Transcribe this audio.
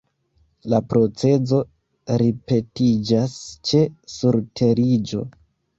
La procezo ripetiĝas ĉe surteriĝo.